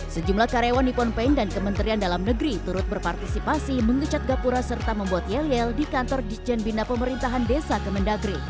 sejumlah karyawan nippon paint dan kementerian dalam negeri turut berpartisipasi mengecat gapura serta membuat yel yel di kantor dijen bina pemerintahan desa kemendagri